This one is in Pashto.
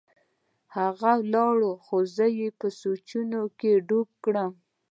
هغه ولاړ خو زه يې په سوچونو کښې ډوب کړم.